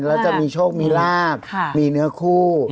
แล้วจะมีโชคมีลาบมีเนื้อคู่